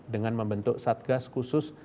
dengan membentuk satgas khusus